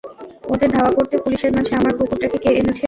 ওদের ধাওয়া করতে পুলিশের মাঝে আমার কুকুরটাকে কে এনেছে?